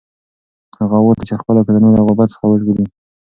هغه غوښتل چې خپله کورنۍ له غربت څخه وژغوري.